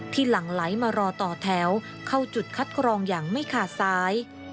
หลั่งไหลมารอต่อแถวเข้าจุดคัดกรองอย่างไม่ขาดสาย